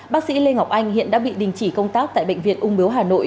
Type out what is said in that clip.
bác sĩ lê ngọc anh hiện đã bị đình chỉ công tác tại bệnh viện ung biếu hà nội